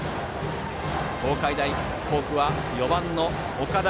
東海大甲府は４番の岡田。